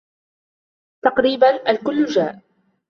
تقريبا الكل جاء